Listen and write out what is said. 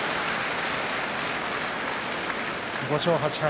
５勝８敗。